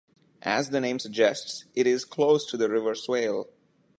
As the name suggests it is close to the River Swale.